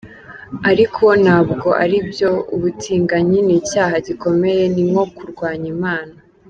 Ariko ntabwo aribyo ubutinganyi ni icyaha gikomeye ni nko kurwanya Imana”